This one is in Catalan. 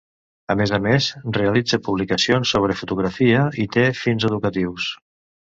A més a més realitza publicacions sobre fotografia i té fins educatius.